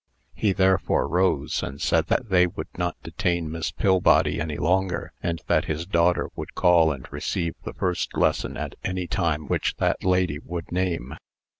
He therefore rose, and said that they would not detain Miss Pillbody any longer, and that his daughter would call and receive the first lesson at any time which that lady would name.